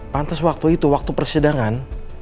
pantes waktu itu waktu persedangan